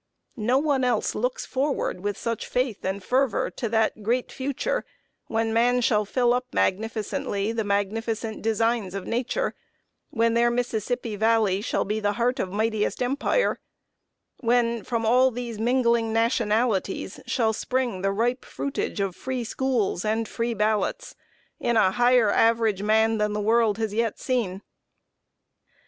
No one else looks forward with such faith and fervor to that great future when man shall "fill up magnificently the magnificent designs of Nature;" when their Mississippi Valley shall be the heart of mightiest empire; when, from all these mingling nationalities, shall spring the ripe fruitage of free schools and free ballots, in a higher average Man than the World has yet seen.